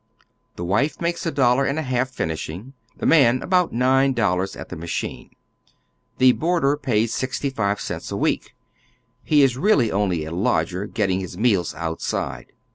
The wife makes a dollar and a half finishing, the man abont nine dollars at the machine. The boarder pays sixty five cents a week. He is really only a lodger, getting his meals outside.